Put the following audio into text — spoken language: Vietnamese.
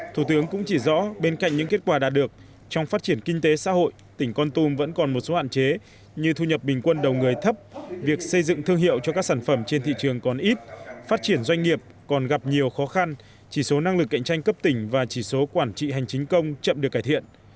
thủ tướng cũng chỉ rõ bên cạnh những kết quả đạt được trong phát triển kinh tế xã hội tỉnh con tum vẫn còn một số hạn chế như thu nhập bình quân đầu người thấp việc xây dựng thương hiệu cho các sản phẩm trên thị trường còn ít phát triển doanh nghiệp còn gặp nhiều khó khăn chỉ số năng lực cạnh tranh cấp tỉnh và chỉ số quản trị hành chính công chậm được cải thiện